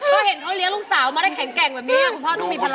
ก็เห็นเขาเลี้ยงลูกสาวมาได้แข็งแกร่งแบบนี้คุณพ่อต้องมีภาระ